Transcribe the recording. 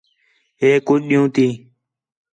ہِے کُج ݙِین٘ہوں تی